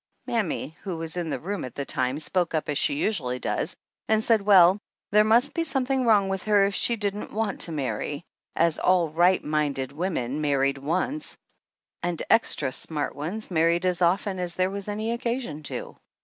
Mammy, who was in the room at the time, spoke up as she usually does and said well, there must be something wrong with her if she didn't want to marry, as all right minded women mar 145 THE ANNALS OF ANN ried once and extra smart ones married as often as there was any occasion to!